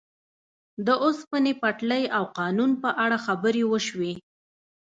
د اوسپنې پټلۍ او قانون په اړه خبرې وشوې.